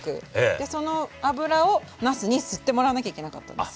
でその脂をなすに吸ってもらわなきゃいけなかったんです。